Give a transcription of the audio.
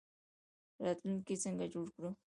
راتلونکی څنګه جوړ کړو؟